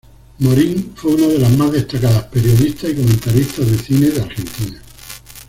Morín fue una de las más destacadas periodistas y comentaristas de cine de Argentina.